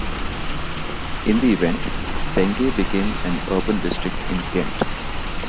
In the event, Penge became an urban district in Kent.